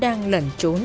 đang lẩn trốn